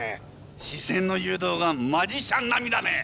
視線の誘導がマジシャン並みだね。